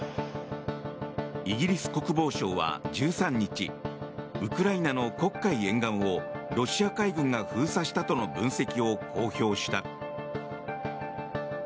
イギリス国防省は１３日ウクライナの黒海沿岸をロシア海軍が封鎖したとの分析を公表した。